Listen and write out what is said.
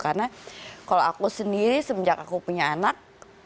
karena kalau aku sendiri semenjak aku punya anak